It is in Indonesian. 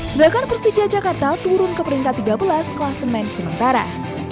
sedangkan persija jakarta turun ke peringkat tiga belas klasemen sementara